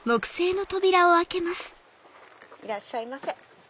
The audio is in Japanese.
いらっしゃいませ。